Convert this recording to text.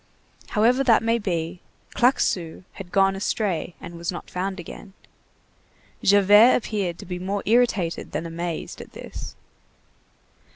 However that may be, Claquesous had gone astray and was not found again. Javert appeared to be more irritated than amazed at this.